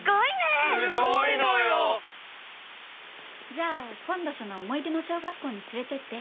じゃあ今度その思い出の小学校に連れてって。